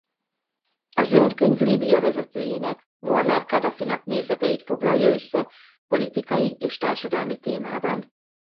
A zöld könyv Líbia vezetőjének Moammer Kadhafinak nézeteit foglalja össze politikai és társadalmi témában.